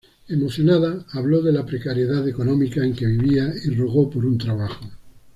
Emocionada, habló de la precariedad económica en que vivía y rogó por un trabajo.